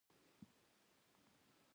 موږ له خپل پلار مننه کوو.